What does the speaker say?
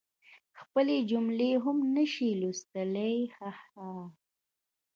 خپلي جملی هم نشي لوستلی هههه